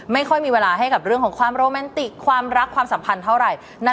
ไม่ค่อยมีเวลาให้กับเรื่องของความโรแมนติกความรักความสัมพันธ์เท่าไหร่